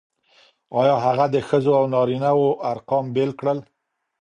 آيا هغه د ښځو او نارينه وو ارقام بېل کړل؟